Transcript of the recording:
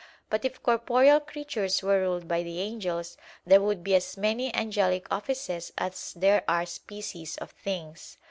But if corporeal creatures were ruled by the angels, there would be as many angelic offices as there are species of things.